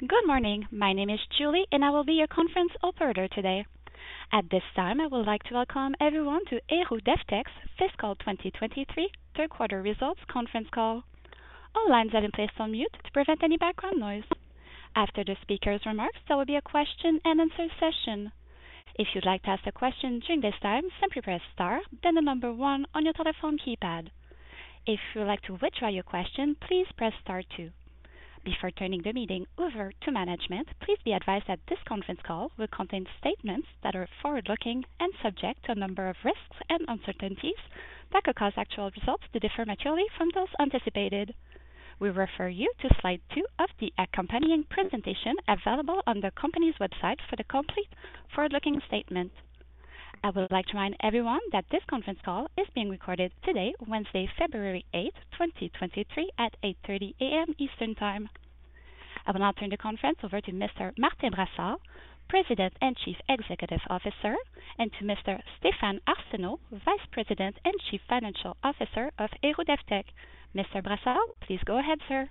Good morning. My name is Julie, and I will be your conference operator today. At this time, I would like to welcome everyone to Héroux-Devtek Fiscal 2023 third quarter results conference call. All lines have been placed on mute to prevent any background noise. After the speaker's remarks, there will be a Q&A session. If you'd like to ask a question during this time, simply press star then the one on your telephone keypad. If you would like to withdraw your question, please press star two. Before turning the meeting over to management, please be advised that this conference call will contain statements that are forward-looking and subject to a number of risks and uncertainties that could cause actual results to differ materially from those anticipated. We refer you to slide two of the accompanying presentation available on the company's website for the complete forward-looking statement. I would like to remind everyone that this conference call is being recorded today, Wednesday, February 8, 2023 at 8:30 A.M. Eastern Time. I will now turn the conference over to Mr. Martin Brassard, President and Chief Executive Officer, and to Mr. Stéphane Arsenault, Vice President and Chief Financial Officer of Héroux-Devtek. Mr. Brassard, please go ahead, sir.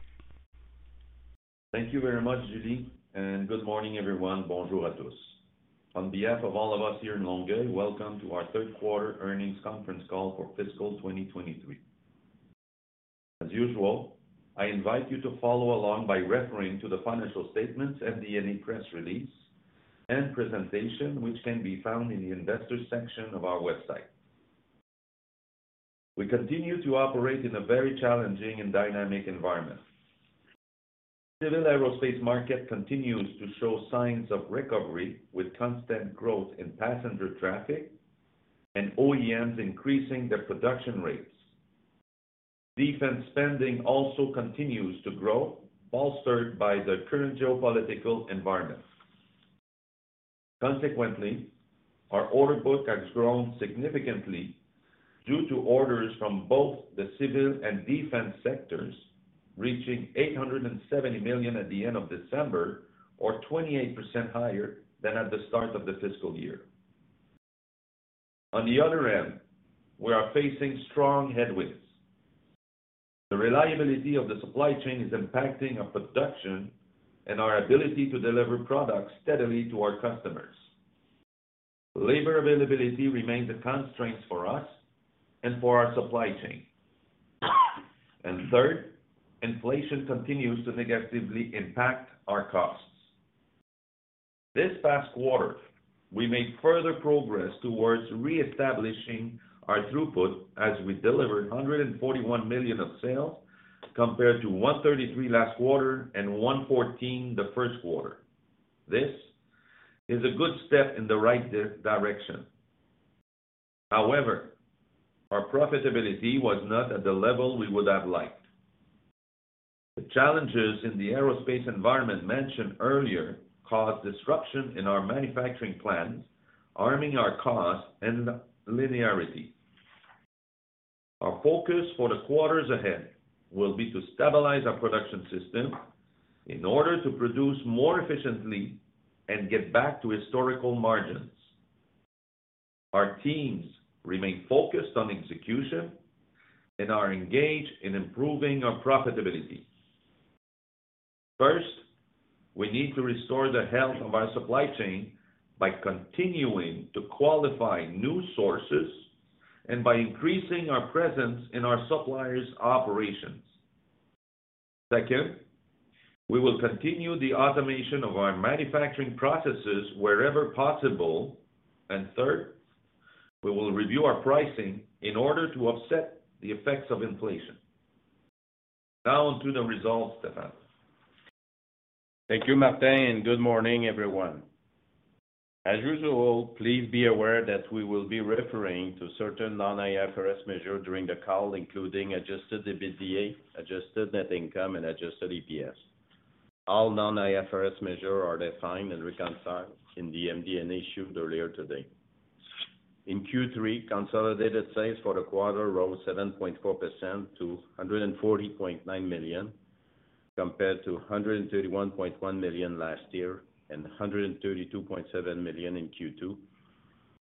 Thank you very much, Julie. Good morning, everyone. On behalf of all of us here in Longueuil, welcome to our third quarter earnings conference call for fiscal 2023. As usual, I invite you to follow along by referring to the financial statements and the MD&A press release and presentation, which can be found in the investors section of our website. We continue to operate in a very challenging and dynamic environment. Civil aerospace market continues to show signs of recovery with constant growth in passenger traffic and OEMs increasing their production rates. Defense spending also continues to grow, bolstered by the current geopolitical environment. Consequently, our order book has grown significantly due to orders from both the civil and defense sectors, reaching 870 million at the end of December or 28% higher than at the start of the fiscal year. On the other end, we are facing strong headwinds. The reliability of the supply chain is impacting our production and our ability to deliver products steadily to our customers. Labor availability remains a constraint for us and for our supply chain. Third, inflation continues to negatively impact our costs. This past quarter, we made further progress towards reestablishing our throughput as we delivered 141 million of sales compared to 133 million last quarter and 114 million the first quarter. This is a good step in the right direction. However, our profitability was not at the level we would have liked. The challenges in the aerospace environment mentioned earlier caused disruption in our manufacturing plans, harming our costs and linearity. Our focus for the quarters ahead will be to stabilize our production system in order to produce more efficiently and get back to historical margins. Our teams remain focused on execution and are engaged in improving our profitability. First, we need to restore the health of our supply chain by continuing to qualify new sources and by increasing our presence in our suppliers' operations. Second, we will continue the automation of our manufacturing processes wherever possible. Third, we will review our pricing in order to offset the effects of inflation. Now on to the results, Stéphane. Thank you, Martin, good morning, everyone. As usual, please be aware that we will be referring to certain non-IFRS measures during the call, including adjusted EBITDA, adjusted net income, and adjusted EPS. All non-IFRS measures are defined and reconciled in the MD&A issued earlier today. In Q3, consolidated sales for the quarter rose 7.4% to 140.9 million, compared to 131.1 million last year and 132.7 million in Q2,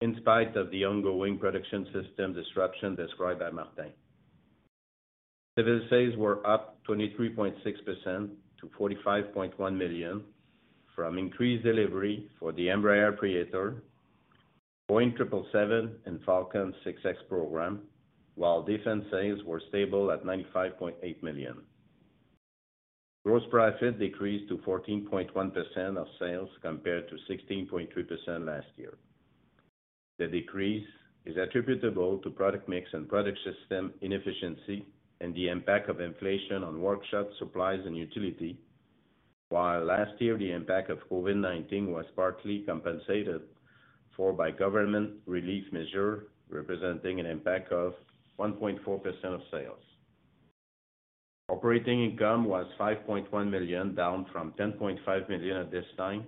in spite of the ongoing production system disruption described by Martin. Civil sales were up 23.6% to 45.1 million from increased delivery for the Embraer Praetor, Boeing 777 and Falcon 6X program, while defense sales were stable at 95.8 million. Gross profit decreased to 14.1% of sales compared to 16.3% last year. The decrease is attributable to product mix and product system inefficiency and the impact of inflation on workshop supplies and utility, while last year the impact of COVID-19 was partly compensated for by government relief measure, representing an impact of 1.4% of sales. Operating income was 5.1 million, down from 10.5 million at this time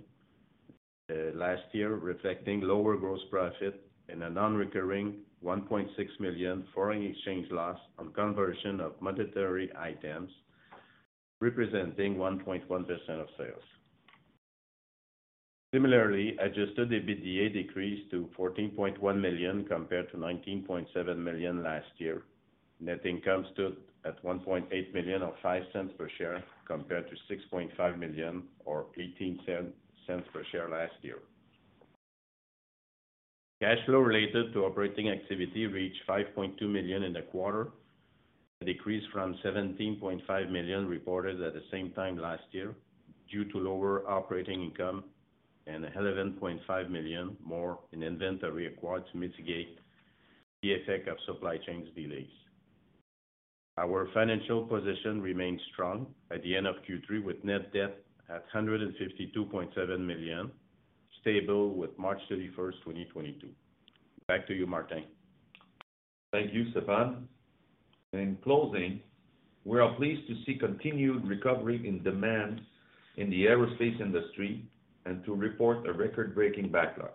last year, reflecting lower gross profit and a non-recurring 1.6 million foreign exchange loss on conversion of monetary items, representing 1.1% of sales. Adjusted EBITDA decreased to 14.1 million compared to 19.7 million last year. Net income stood at 1.8 million or $0.05 per share, compared to 6.5 million or $0.18 per share last year. Cash flow related to operating activity reached 5.2 million in the quarter, a decrease from 17.5 million reported at the same time last year, due to lower operating income and 11.5 million more in inventory acquired to mitigate the effect of supply chains delays. Our financial position remains strong at the end of Q3, with net debt at CAD 152.7 million, stable with March 31, 2022. Back to you, Martin. Thank you, Stéphane. In closing, we are pleased to see continued recovery in demand in the aerospace industry and to report a record-breaking backlog.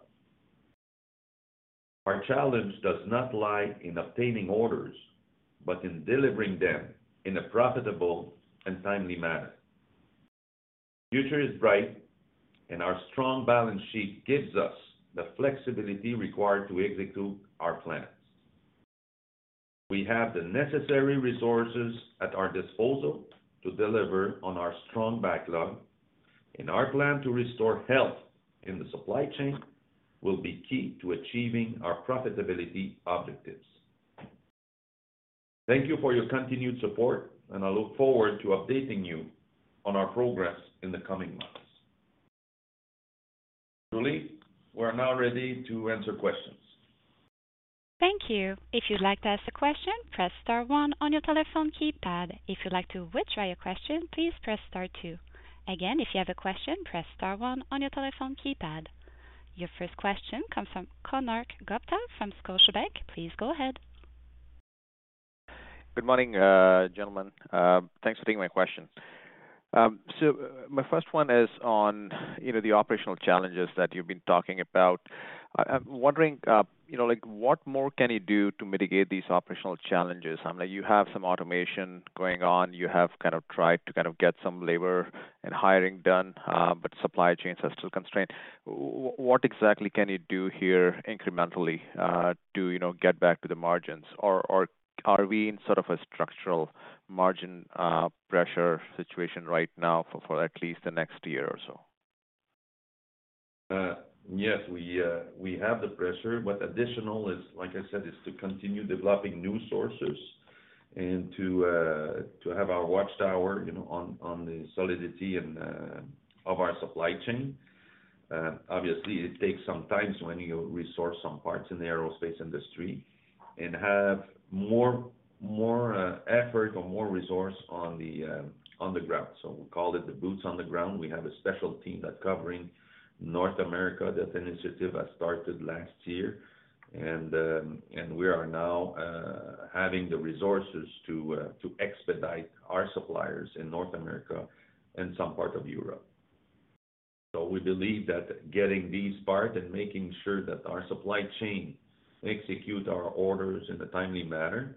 Our challenge does not lie in obtaining orders, but in delivering them in a profitable and timely manner. Future is bright and our strong balance sheet gives us the flexibility required to execute our plans. We have the necessary resources at our disposal to deliver on our strong backlog, and our plan to restore health in the supply chain will be key to achieving our profitability objectives. Thank you for your continued support, and I look forward to updating you on our progress in the coming months. Julie, we are now ready to answer questions. Thank you. If you'd like to ask a question, press star one on your telephone keypad. If you'd like to withdraw your question, please press star two. Again, if you have a question, press star one on your telephone keypad. Your first question comes from Konark Gupta from Scotiabank. Please go ahead. Good morning, gentlemen. Thanks for taking my question. My first one is on, you know, the operational challenges that you've been talking about. I'm wondering, you know, like, what more can you do to mitigate these operational challenges? I mean, you have some automation going on. You have kind of tried to, kind of get some labor and hiring done, but supply chains are still constrained. What exactly can you do here incrementally, to, you know, get back to the margins? Or are we in sort of a structural margin pressure situation right now for at least the next year or so? Yes, we have the pressure. Additional is, like I said, is to continue developing new sources and to have our watchtower, you know, on the solidity and of our supply chain. Obviously, it takes some time when you resource some parts in the aerospace industry and have more effort or more resource on the ground. We call it the boots on the ground. We have a special team that's covering North America. That initiative has started last year, and we are now having the resources to expedite our suppliers in North America and some parts of Europe. We believe that getting these parts and making sure that our supply chain execute our orders in a timely manner,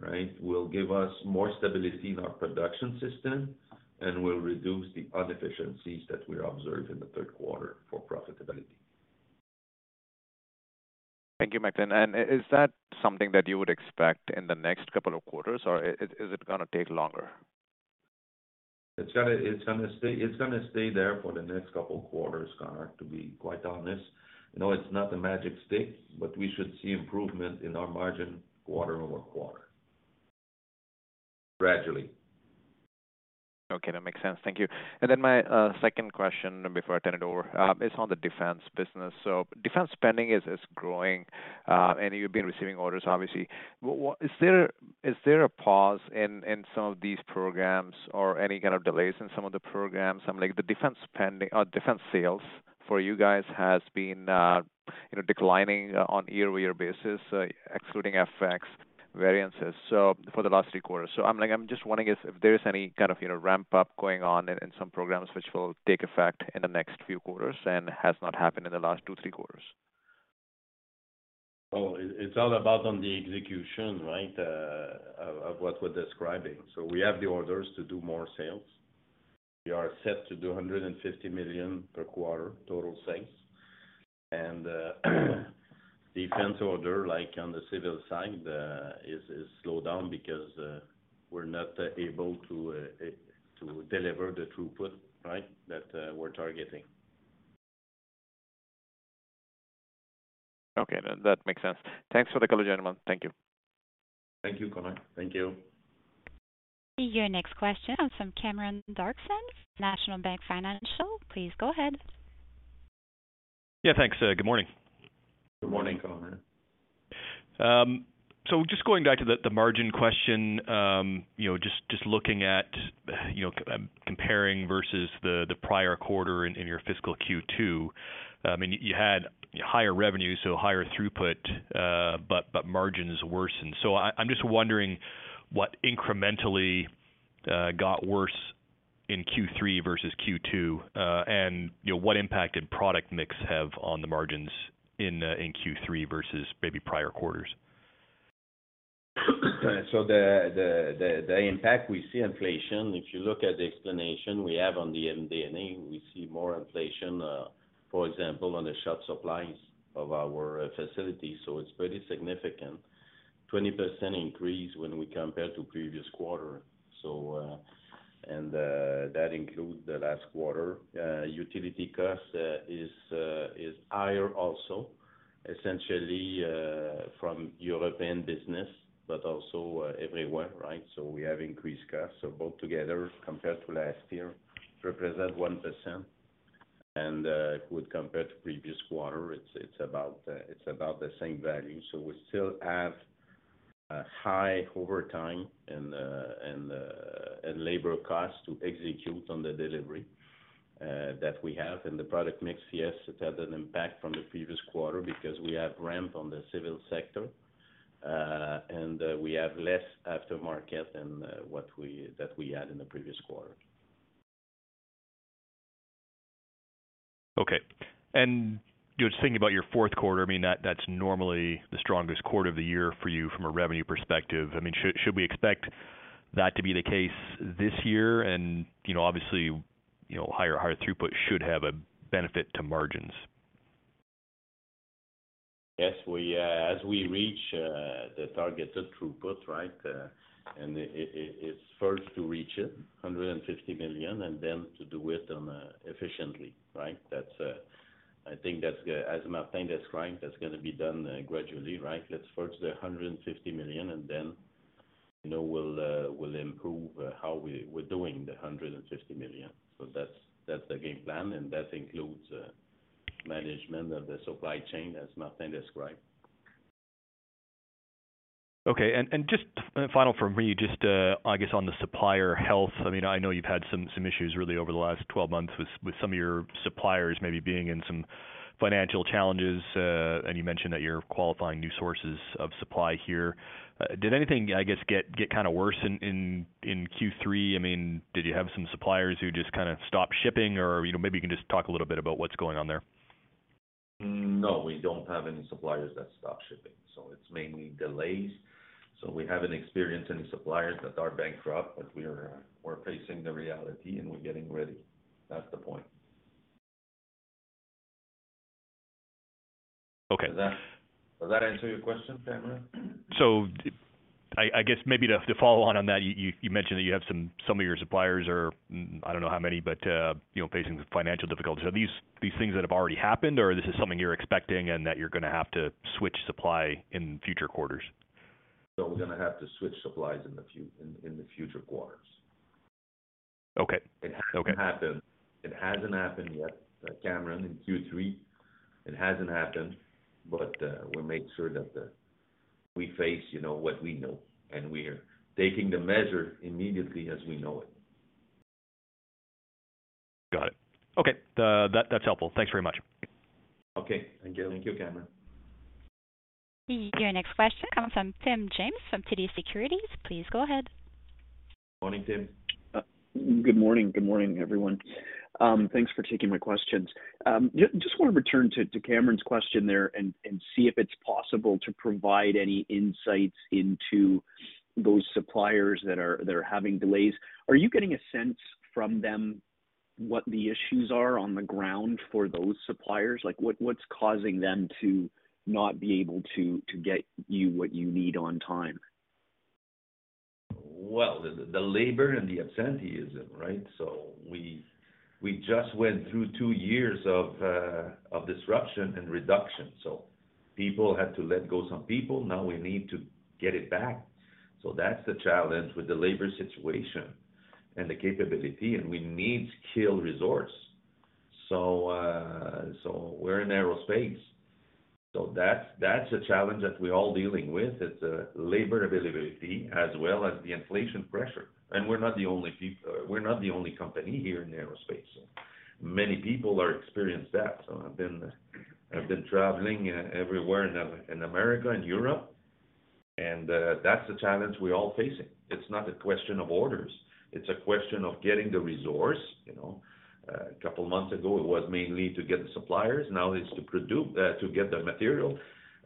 right, will give us more stability in our production system and will reduce the inefficiencies that we observe in the third quarter for profitability. Thank you, Martin. Is that something that you would expect in the next couple of quarters, or is it going to take longer? It's gonna stay there for the next couple quarters, Konark, to be quite honest. You know, it's not a magic stick. We should see improvement in our margin quarter over quarter. Gradually. Okay, that makes sense. Thank you. My second question before I turn it over is on the defense business. Defense spending is growing, and you've been receiving orders, obviously. Is there a pause in some of these programs or any kind of delays in some of the programs? Something like the defense spending or defense sales for you guys has been, you know, declining on year-over-year basis, excluding FX variances, for the last three quarters. I'm just wondering if there's any kind of, you know, ramp up going on in some programs which will take effect in the next few quarters and has not happened in the last two, three quarters. It's all about on the execution, right, of what we're describing. We have the orders to do more sales. We are set to do 150 million per quarter total sales. Defense order, like on the civil side, is slowed down because we're not able to deliver the throughput, right, that we're targeting. Okay, that makes sense. Thanks for the color, gentlemen. Thank you. Thank you, Konark. Thank you. Your next question comes from Cameron Doerksen, National Bank Financial. Please go ahead. Yeah, thanks. Good morning. Good morning, Cameron. Just going back to the margin question, you know, just looking at, you know, comparing versus the prior quarter in your fiscal Q2, I mean, you had higher revenue, so higher throughput, but margins worsened. I'm just wondering what incrementally got worse in Q3 versus Q2, and, you know, what impact did product mix have on the margins in Q3 versus maybe prior quarters? The impact, we see inflation. If you look at the explanation we have on the MD&A, we see more inflation, for example, on the short supplies of our facilities. It's pretty significant. 20% increase when we compare to previous quarter, that includes the last quarter. Utility cost is higher also essentially from European business, but also everywhere, right? We have increased costs. Both together compared to last year represent 1%. With compared to previous quarter, it's about the same value. We still have high overtime and labor costs to execute on the delivery that we have. The product mix, yes, it has an impact from the previous quarter because we have ramped on the civil sector, and we have less aftermarket than that we had in the previous quarter. Okay. Just thinking about your fourth quarter, I mean, that's normally the strongest quarter of the year for you from a revenue perspective. I mean, should we expect that to be the case this year? You know, obviously, you know, higher throughput should have a benefit to margins. Yes. We, as we reach the targets of throughput, right, it's first to reach it, 150 million, and then to do it on efficiently, right? That's, I think that's As Martin described, that's gonna be done gradually, right? Let's first the 150 million, and then, you know, we'll improve how we're doing the 150 million. That's, that's the game plan, and that includes management of the supply chain as Martin described. Okay. Just final from me, just, I guess on the supplier health, I mean, I know you've had some issues really over the last 12 months with some of your suppliers maybe being in some financial challenges. You mentioned that you're qualifying new sources of supply here. Did anything, I guess, get kinda worse in Q3? I mean, did you have some suppliers who just kinda stopped shipping or, you know, maybe you can just talk a little bit about what's going on there. No, we don't have any suppliers that stopped shipping, so it's mainly delays. We haven't experienced any suppliers that are bankrupt, but we're facing the reality and we're getting ready. That's the point. Okay. Does that answer your question, Cameron? I guess maybe to follow on that, you mentioned that you have some of your suppliers are, I don't know how many, but, you know, facing financial difficulties. Are these things that have already happened, or this is something you're expecting and that you're gonna have to switch supply in future quarters? We're gonna have to switch supplies in the future quarters. Okay. Okay. It hasn't happened. It hasn't happened yet, Cameron, in Q3. It hasn't happened. We'll make sure that we face, you know, what we know, and we are taking the measure immediately as we know it. Got it. Okay. That's helpful. Thanks very much. Okay. Thank you. Thank you, Cameron. Your next question comes from Tim James from TD Securities. Please go ahead. Morning, Tim. Good morning. Good morning, everyone. Thanks for taking my questions. Just wanna return to Cameron's question there and see if it's possible to provide any insights into those suppliers that are having delays. Are you getting a sense from them what the issues are on the ground for those suppliers? Like, what's causing them to not be able to get you what you need on time? The labor and the absenteeism, right? We just went through two years of disruption and reduction, so people had to let go some people. Now we need to get it back. That's the challenge with the labor situation and the capability, and we need skilled resource. We're in aerospace. That's a challenge that we're all dealing with. It's labor availability as well as the inflation pressure. We're not the only company here in aerospace. Many people are experienced that. I've been traveling everywhere in America and Europe, and that's the challenge we're all facing. It's not a question of orders. It's a question of getting the resource, you know. A couple of months ago, it was mainly to get the suppliers. It's to get the material.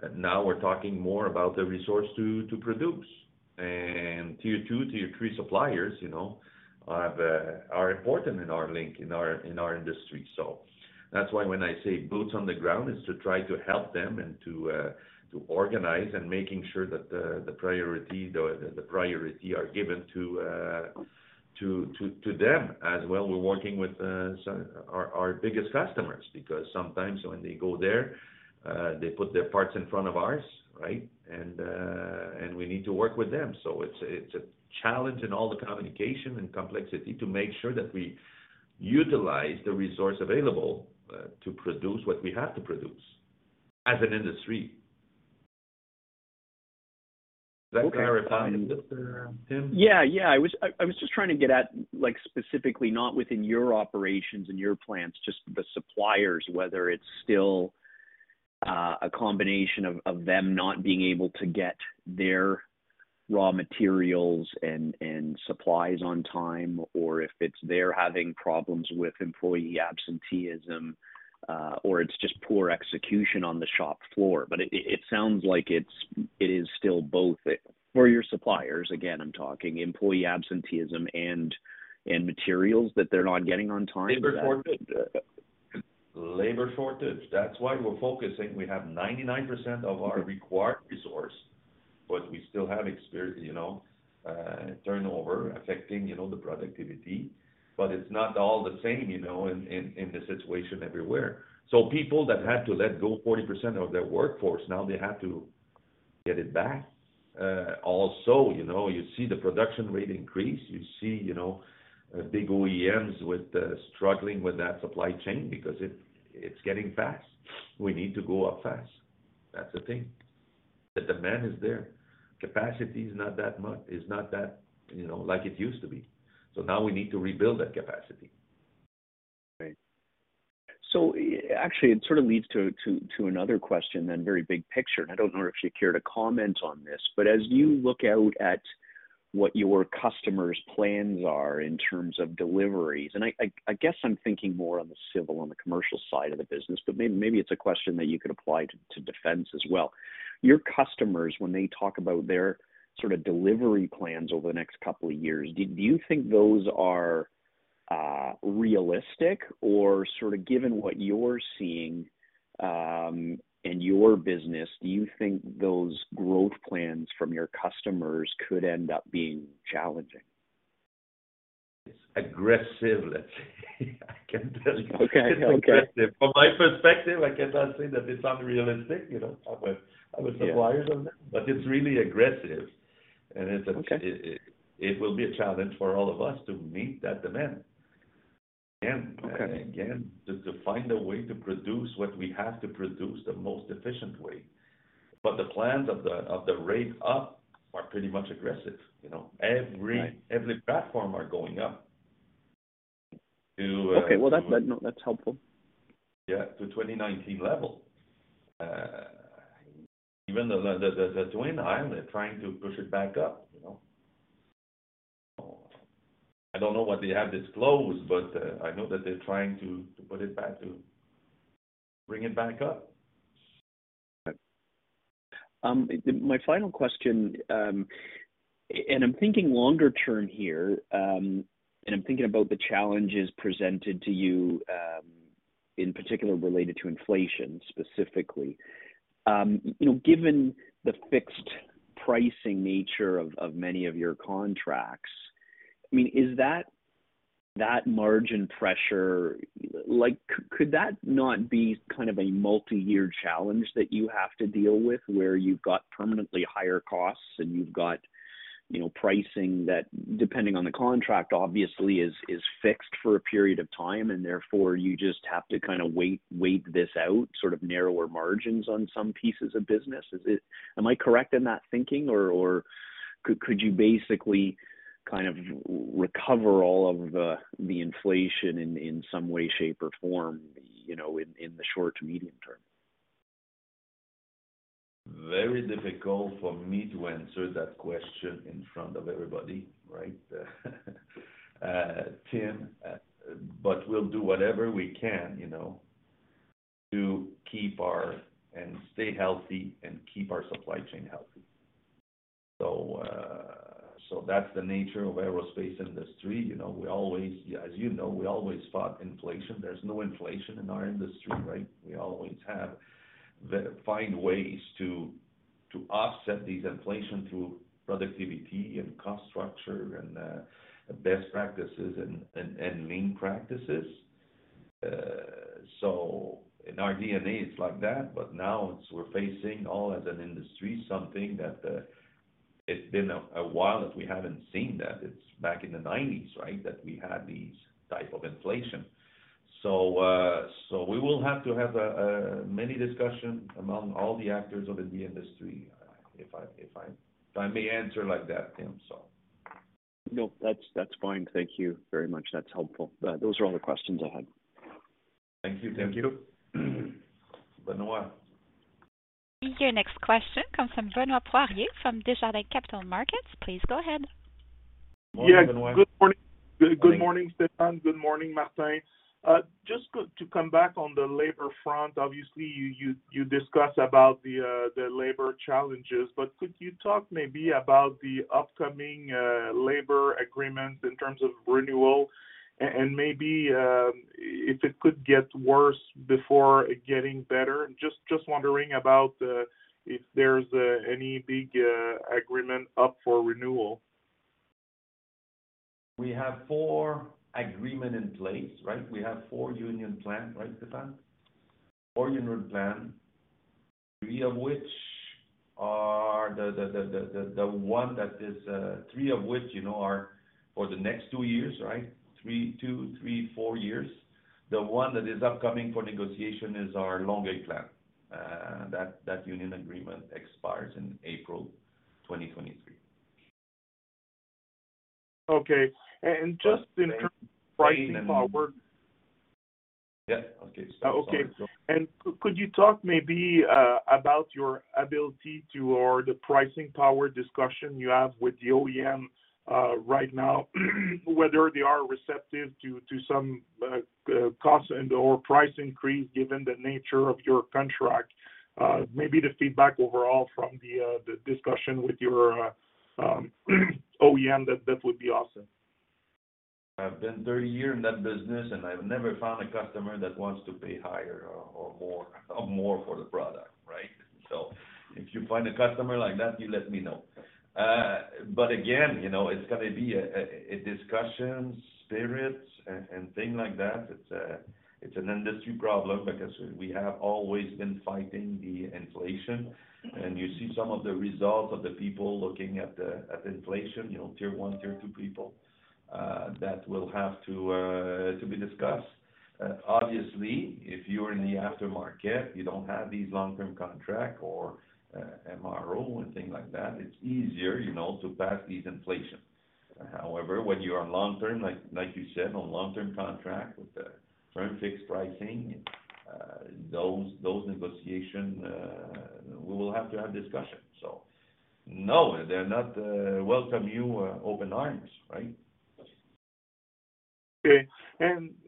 We're talking more about the resource to produce. Tier two, tier three suppliers, you know, are important in our link, in our industry. That's why when I say boots on the ground, it's to try to help them and to organize and making sure that the priority are given to them as well. We're working with our biggest customers because sometimes when they go there, they put their parts in front of ours, right? We need to work with them. It's a challenge in all the communication and complexity to make sure that we utilize the resource available to produce what we have to produce as an industry. Does that clarify, Tim? Yeah. Yeah. I was, I was just trying to get at, like, specifically not within your operations and your plants, just the suppliers, whether it's still a combination of them not being able to get their raw materials and supplies on time or if it's they're having problems with employee absenteeism, or it's just poor execution on the shop floor. It sounds like it is still both. For your suppliers, again, I'm talking employee absenteeism and materials that they're not getting on time. Is that? Labor shortage. Labor shortage. That's why we're focusing. We have 99% of our required resource, but we still have experience, you know, turnover affecting, you know, the productivity. It's not all the same, you know, in the situation everywhere. People that had to let go 40% of their workforce, now they have to get it back. Also, you know, you see the production rate increase. You see, you know, big OEMs struggling with that supply chain because it's getting fast. We need to go up fast. That's the thing. The demand is there. Capacity is not that, you know, like it used to be. Now we need to rebuild that capacity. Right. Actually it sort of leads to another question then very big picture. I don't know if you care to comment on this, but as you look out at what your customers' plans are in terms of deliveries, I guess I'm thinking more on the civil, on the commercial side of the business, but maybe it's a question that you could apply to defense as well. Your customers when they talk about their sort of delivery plans over the next couple of years, do you think those are realistic or sort of given what you're seeing in your business, do you think those growth plans from your customers could end up being challenging? It's aggressive, let's say. I can tell you. Okay. Okay. It's aggressive. From my perspective, I cannot say that it's unrealistic, you know, I'm with suppliers on that, it's really aggressive. Okay. It will be a challenge for all of us to meet that demand. Again and again, just to find a way to produce what we have to produce the most efficient way. The plans of the rate up are pretty much aggressive, you know. Right. Every platform are going up to. Okay. Well, that's helpful. To 2019 level. Even the twin aisle, they're trying to push it back up, you know. I don't know what they have disclosed, but I know that they're trying to put it back to bring it back up. Okay. My final question, and I'm thinking longer term here, and I'm thinking about the challenges presented to you, in particular related to inflation specifically. You know, given the fixed pricing nature of many of your contracts, I mean, is that margin pressure like could that not be kind of a multi-year challenge that you have to deal with where you've got permanently higher costs and you've got, you know, pricing that, depending on the contract, obviously is fixed for a period of time and therefore you just have to kind of wait this out, sort of narrower margins on some pieces of business? Am I correct in that thinking or could you basically kind of recover all of the inflation in some way, shape, or form, you know, in the short to medium term? Very difficult for me to answer that question in front of everybody, right, Tim. We'll do whatever we can, you know, to keep our and stay healthy and keep our supply chain healthy. That's the nature of aerospace industry. You know, we always, as you know, we always fought inflation. There's no inflation in our industry, right? We always find ways to offset these inflation through productivity and cost structure and best practices and lean practices. In our DNA it's like that, now it's we're facing all as an industry something that it's been a while that we haven't seen that. It's back in the nineties, right, that we had these type of inflation. We will have to have many discussion among all the actors of the industry. If I may answer like that, Tim, so. No, that's fine. Thank you very much. That's helpful. Those are all the questions I had. Thank you. Thank you. Your next question comes from Benoit Poirier from Desjardins Capital Markets. Please go ahead. Morning, Benoit. Yeah, good morning. Good morning, Stéphane. Good morning, Martin. Just to come back on the labor front, obviously, you discussed about the labor challenges, but could you talk maybe about the upcoming labor agreements in terms of renewal and maybe if it could get worse before getting better? Just wondering about if there's any big agreement up for renewal. We have four agreement in place, right? We have four union plan, right, Stéphane? Four union plan, three of which are the one that is, three of which, you know, are for the next two years, right? three, two, three, four years. The one that is upcoming for negotiation is our longer plan. That union agreement expires in April 2023. Okay. Just in terms of pricing power. Yeah. Okay. Okay. Could you talk maybe about your ability or the pricing power discussion you have with the OEM right now, whether they are receptive to some cost and or price increase given the nature of your contract? Maybe the feedback overall from the discussion with your OEM that would be awesome? I've been 30 years in that business, and I've never found a customer that wants to pay higher or more for the product, right? If you find a customer like that, you let me know. Again, you know, it's gonna be a discussion spirit and things like that. It's an industry problem because we have always been fighting the inflation. You see some of the results of the people looking at inflation, you know, tier one, tier two people that will have to be discussed. Obviously, if you're in the aftermarket, you don't have these long-term contract or MRO and things like that, it's easier, you know, to pass these inflation. However, when you are long-term, like you said, on long-term contract with the firm fixed pricing, those negotiation, we will have to have discussion. No, they're not welcome you open arms, right? Okay.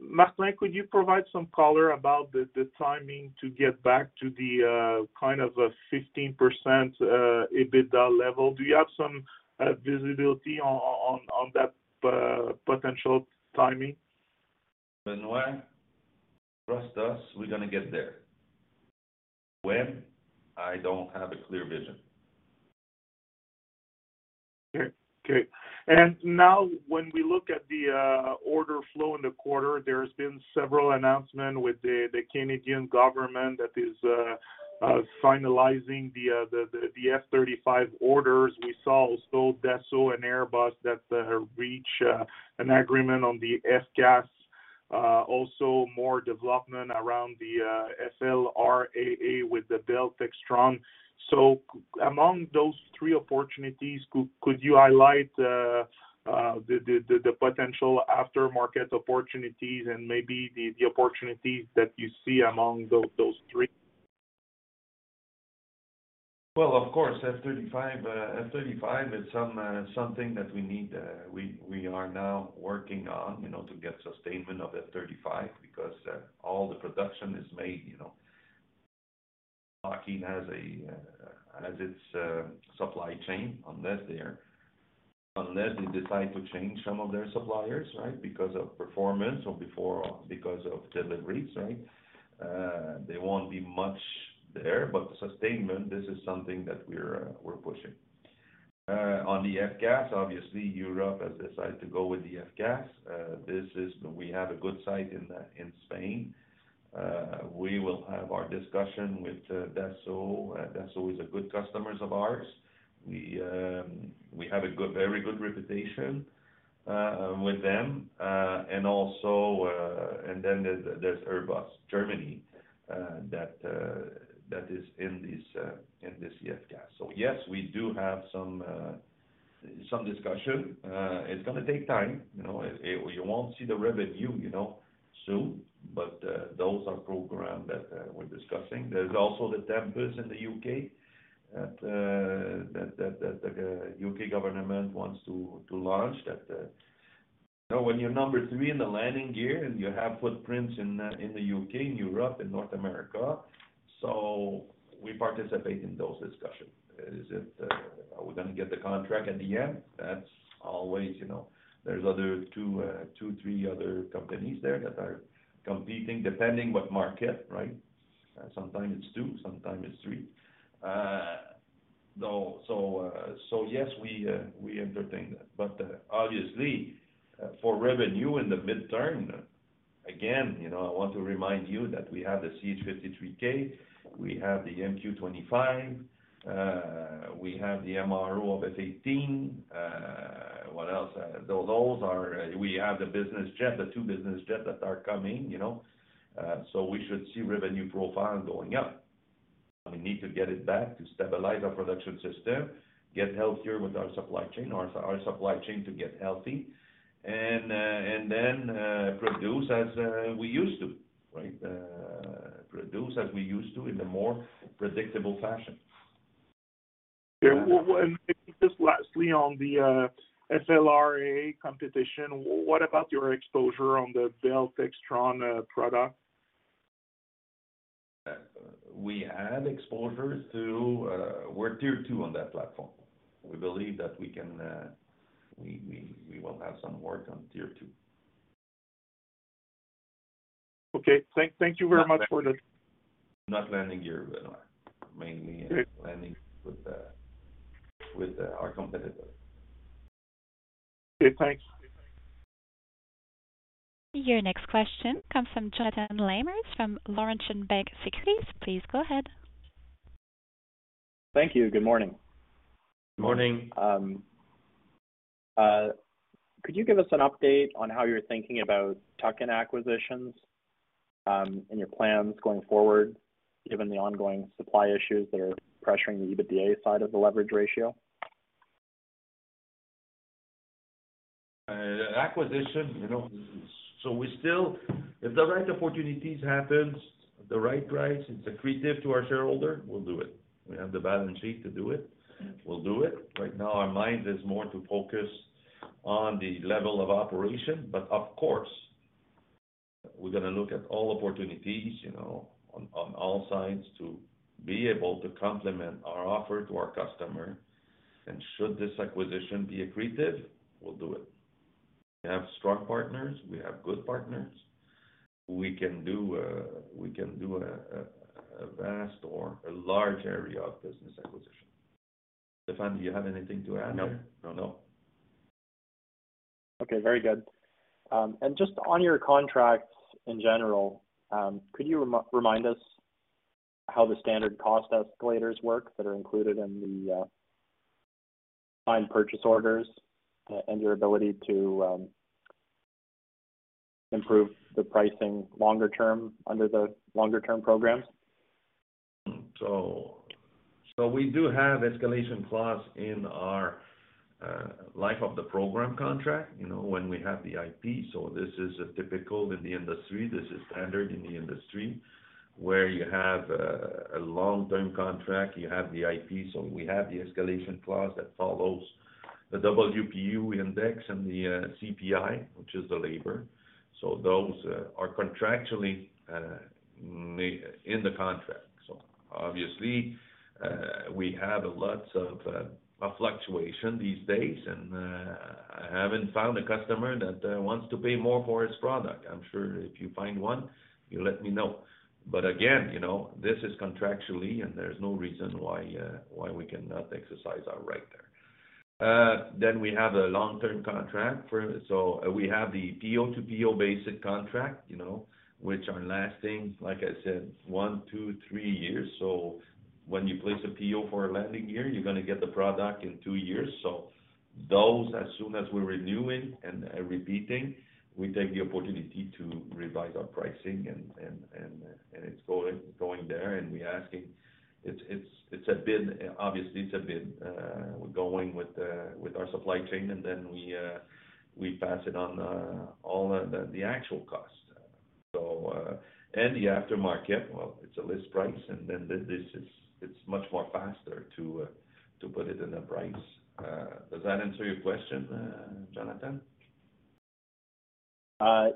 Martin, could you provide some color about the timing to get back to the kind of a 15% EBITDA level? Do you have some visibility on that potential timing? Benoit, trust us, we're gonna get there. When? I don't have a clear vision. Okay. Okay. Now when we look at the order flow in the quarter, there's been several announcement with the Canadian government that is finalizing the F-35 orders. We saw also Dassault and Airbus that reach an agreement on the FCAS. Also more development around the FLRAA with Bell Textron. Among those three opportunities, could you highlight the potential aftermarket opportunities and maybe the opportunities that you see among those three? Of course, F-35 is something that we need, we are now working on, you know, to get sustainment of F-35 because all the production is made, you know. Lockheed has a has its supply chain unless they decide to change some of their suppliers, right? Because of performance or because of deliveries, right? There won't be much there. Sustainment, this is something that we're pushing. On the FCAS, obviously, Europe has decided to go with the FCAS. We have a good site in Spain. We will have our discussion with Dassault. Dassault is a good customers of ours. We have a good, very good reputation with them. Uh, and also, uh, and then there, there's Airbus, Germany, uh, that, uh, that is in this, uh, in this FCAS. So yes, we do have some, uh, some discussion. Uh, it's gonna take time. You know, it-- you won't see the revenue, you know, soon. But, uh, those are program that, uh, we're discussing. There's also the Tempest in the U.K. that, uh, that, that, that the U.K. government wants to, to launch that, uh... You know, when you're number three in the landing gear and you have footprints in, uh, in the U.K., in Europe, in North America, so we participate in those discussions. Is it, uh, are we gonna get the contract at the end? That's always, you know... There's other two, uh, two, three other companies there that are competing, depending what market, right? Sometimes it's two, sometimes it's three. Yes, we entertain that. Obviously, for revenue in the midterm, again, you know, I want to remind you that we have the CH-53K, we have the MQ-25, we have the MRO of F-18. What else? We have the business jet, the two business jets that are coming, you know. We should see revenue profile going up. We need to get it back to stabilize our production system, get healthier with our supply chain, our supply chain to get healthy, and then produce as we used to, right? Produce as we used to in a more predictable fashion. Yeah. Just lastly, on the FLRAA competition, what about your exposure on the Bell Textron product? We have exposure to, we're tier two on that platform. We believe that we can, we will have some work on tier two. Okay. Thank you very much for this. Not landing gear, but mainly landing with, our competitor. Okay, thanks. Your next question comes from Jonathan Lamers from Laurentian Bank Securities. Please go ahead. Thank you. Good morning. Morning. Could you give us an update on how you're thinking about tuck-in acquisitions, in your plans going forward, given the ongoing supply issues that are pressuring the EBITDA side of the leverage ratio? Acquisition, you know. If the right opportunities happens at the right price, it's accretive to our shareholder, we'll do it. We have the balance sheet to do it, we'll do it. Right now, our mind is more to focus on the level of operation. Of course, we're gonna look at all opportunities, you know, on all sides to be able to complement our offer to our customer. Should this acquisition be accretive, we'll do it. We have strong partners, we have good partners. We can do a vast or a large area of business acquisition. Stéphane, do you have anything to add there? No. No. Okay. Very good. Just on your contracts in general, could you remind us how the standard cost escalators work that are included in the signed purchase orders, and your ability to improve the pricing longer term under the longer term programs? We do have escalation clause in our life of the program contract, you know, when we have the IP. This is typical in the industry, this is standard in the industry, where you have a long-term contract, you have the IP. We have the escalation clause that follows the WPU index and the CPI, which is the labor. Those are contractually in the contract. Obviously, we have a lots of a fluctuation these days, and I haven't found a customer that wants to pay more for his product. I'm sure if you find one, you let me know. Again, you know, this is contractually, and there's no reason why why we cannot exercise our right there. We have a long-term contract for. We have the PO-to-PO basic contract, you know, which are lasting, like I said, one, two, three years. When you place a PO for a landing gear, you're gonna get the product in two years. Those, as soon as we're renewing and repeating, we take the opportunity to revise our pricing and it's going there and we're asking. It's a bid. Obviously it's a bid. We're going with our supply chain and then we pass it on all the actual cost. The aftermarket, well it's a list price and then this is, it's much more faster to put it in a price. Does that answer your question, Jonathan?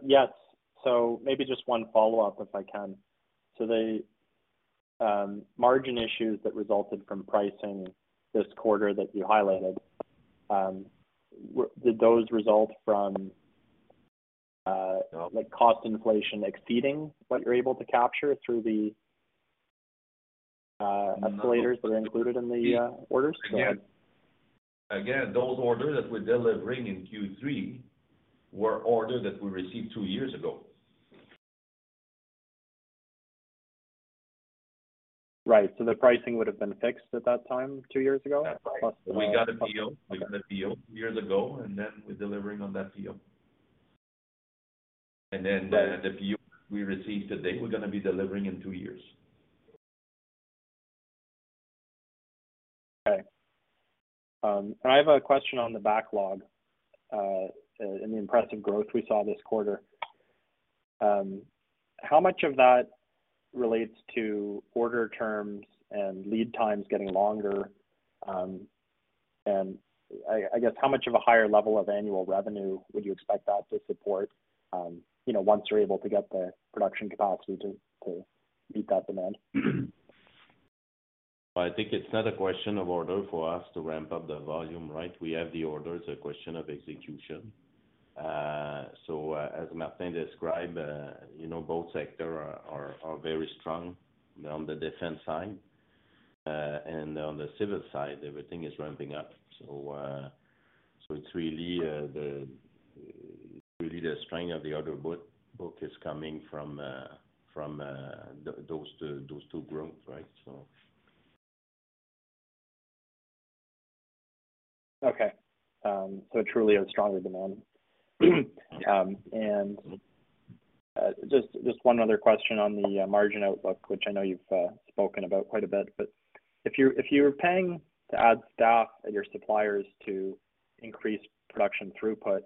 Yes. Maybe just one follow-up, if I can. The margin issues that resulted from pricing this quarter that you highlighted, did those result from like cost inflation exceeding what you're able to capture through the escalators that are included in the orders? Again, those orders that we're delivering in Q3 were orders that we received two years ago. Right. The pricing would have been fixed at that time, two years ago? That's right. Plus the. We got a PO. We got a PO two years ago. We're delivering on that PO. The PO we receive today, we're going to be delivering in two years. Okay. I have a question on the backlog, and the impressive growth we saw this quarter. How much of that relates to order terms and lead times getting longer? I guess how much of a higher level of annual revenue would you expect that to support, you know, once you're able to get the production capacity to meet that demand? I think it's not a question of order for us to ramp up the volume, right? We have the orders, a question of execution. As Martin described, you know, both sector are very strong on the defense side. On the civil side, everything is ramping up. It's really the strength of the order book is coming from those two growth, right? Truly a stronger demand. And just one other question on the margin outlook, which I know you've spoken about quite a bit. If you're paying to add staff at your suppliers to increase production throughput,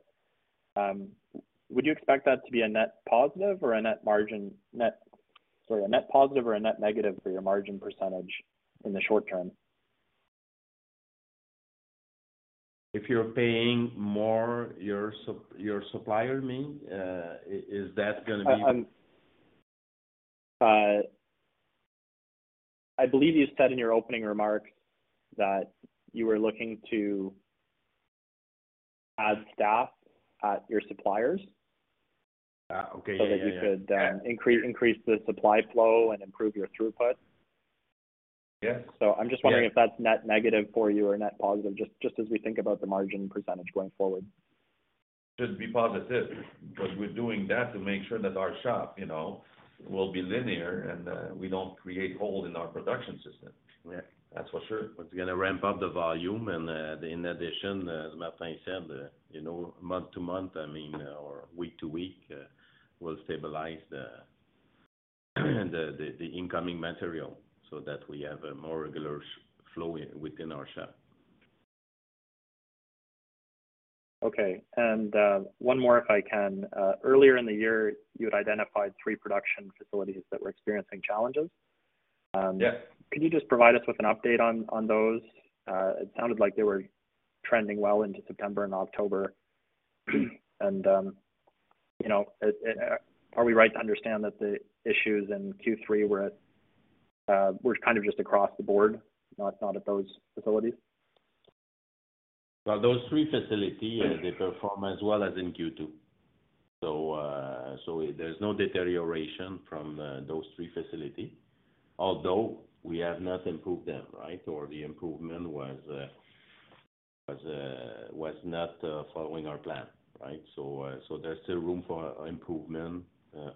would you expect that to be a net positive or a net negative for your margin percentage in the short term? If you're paying more your supplier mean, is that gonna be. I believe you said in your opening remarks that you were looking to add staff at your suppliers. Okay. Yeah. That you could increase the supply flow and improve your throughput. Yes. I'm just wondering if that's net negative for you or net positive, just as we think about the margin percentage going forward. Should be positive, 'cause we're doing that to make sure that our shop, you know, will be linear and we don't create hole in our production system. Yeah. That's for sure. You're gonna ramp up the volume and, in addition, as Martin said, you know, month to month, I mean, or week to week, will stabilize. The incoming material so that we have a more regular flow within our shop. Okay. One more if I can. Earlier in the year, you had identified three production facilities that were experiencing challenges. Yes. Could you just provide us with an update on those? It sounded like they were trending well into September and October. You know, are we right to understand that the issues in Q3 were kind of just across the board, not at those facilities? Well, those three facilities, they perform as well as in Q2. There's no deterioration from those three facilities. Although we have not improved them, right? Or the improvement was not following our plan, right? There's still room for improvement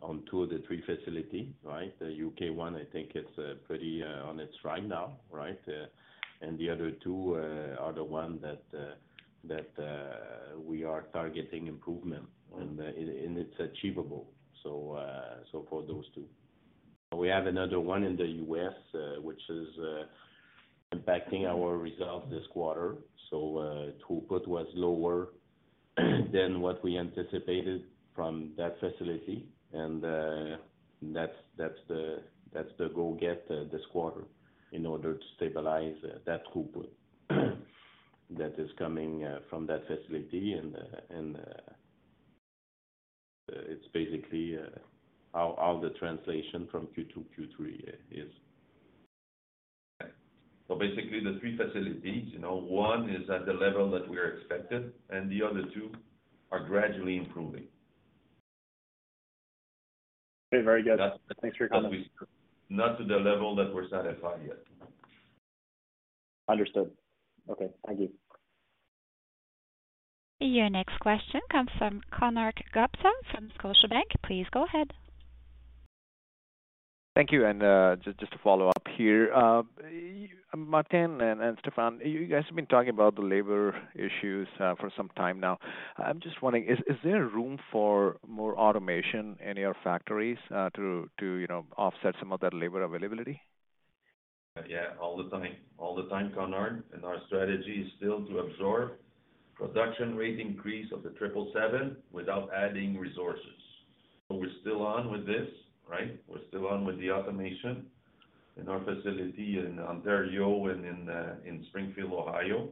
on two of the three facilities, right? The U.K. one, I think it's pretty on its right now, right? The other two are the ones that we are targeting improvement and it's achievable. For those two. We have another one in the U.S., which is impacting our results this quarter. Throughput was lower than what we anticipated from that facility. That's the go get this quarter in order to stabilize that throughput that is coming from that facility. It's basically how the translation from Q2, Q3 is. Basically the three facilities, you know, one is at the level that we are expected and the other two are gradually improving. Very good. Thanks for your comments. Not to the level that we're satisfied yet. Understood. Okay. Thank you. Your next question comes from Konark Gupta from Scotiabank. Please go ahead. Thank you. Just to follow up here. Martin and Stéphane, you guys have been talking about the labor issues for some time now. I'm just wondering, is there room for more automation in your factories to, you know, offset some of that labor availability? Yeah, all the time. All the time, Konark. Our strategy is still to absorb production rate increase of the triple seven without adding resources. We're still on with this, right? We're still on with the automation in our facility in Ontario and in Springfield, Ohio.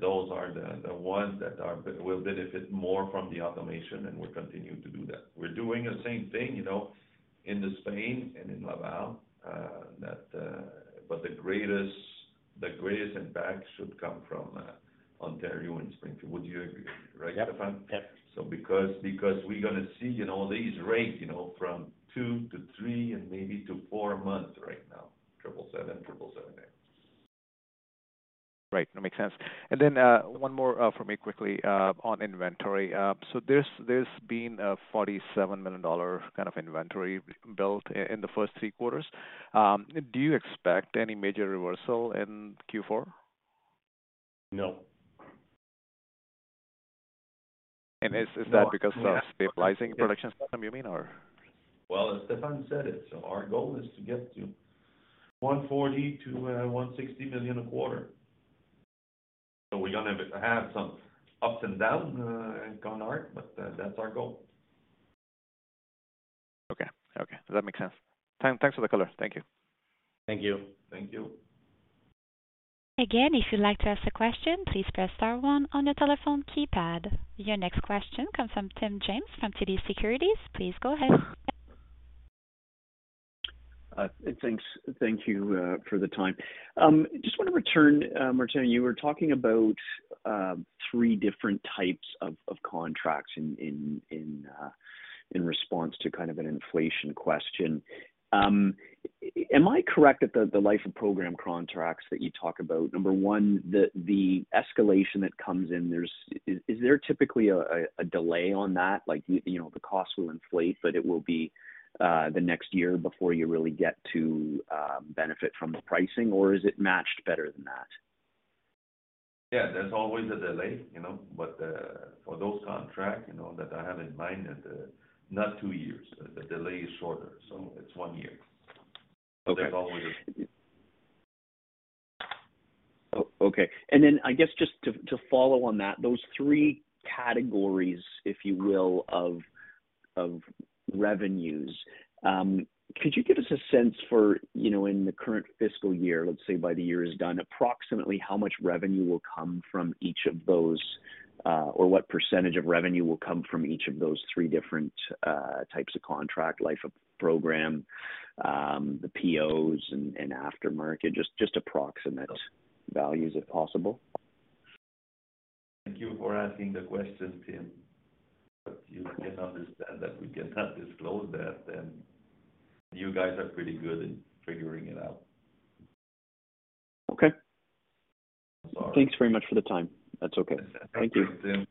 Those are the ones that will benefit more from the automation, and we're continuing to do that. We're doing the same thing, you know, in Spain and in Laval, but the greatest impact should come from Ontario and Springfield. Would you agree? Right, Stéphane? Yep. Because we're gonna see, you know, these rates, you know, from two to three and maybe to four months right now, triple seven, yeah. Right. That makes sense. Then, one more from me quickly on inventory. There's been a 47 million dollar kind of inventory built in the first three quarters. Do you expect any major reversal in Q4? No. Is that because of stabilizing production you mean or? As Stéphane said it, our goal is to get to 140 million-160 million a quarter. We're gonna have some ups and down, Konark, but that's our goal. Okay. Okay. That makes sense. Thanks for the color. Thank you. Thank you. Thank you. Again, if you'd like to ask a question, please press star one on your telephone keypad. Your next question comes from Tim James from TD Securities. Please go ahead. Thanks. Thank you for the time. Just wanna return, Martin, you were talking about three different types of contracts in response to kind of an inflation question. Am I correct that the life of program contracts that you talk about, number one, the escalation that comes in? Is there typically a delay on that? Like, you know, the costs will inflate, but it will be the next year before you really get to benefit from the pricing, or is it matched better than that? Yeah, there's always a delay, you know. For those contract, you know, that I have in mind and not two years, the delay is shorter, so it's one year. Okay. There's always. Okay. I guess just to follow on that, those three categories, if you will, of revenues, could you give us a sense for, you know, in the current fiscal year, let's say by the year is done, approximately how much revenue will come from each of those, or what percentage of revenue will come from each of those three different types of contract life of program, the POs and aftermarket, just approximate values, if possible? Thank you for asking the question, Tim, but you can understand that we cannot disclose that and you guys are pretty good at figuring it out. Okay. Sorry. Thanks very much for the time. That's okay. Thank you. Thank you, Tim.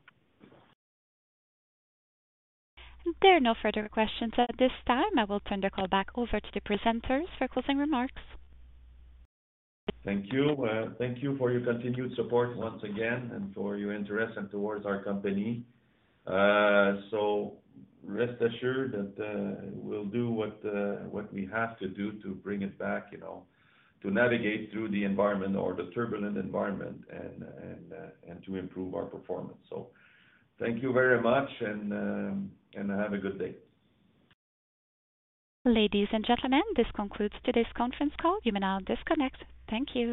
There are no further questions at this time. I will turn the call back over to the presenters for closing remarks. Thank you. Thank you for your continued support once again and for your interest and towards our company. Rest assured that we'll do what we have to do to bring it back, you know, to navigate through the environment or the turbulent environment and to improve our performance. Thank you very much and have a good day. Ladies and gentlemen, this concludes today's conference call. You may now disconnect. Thank you.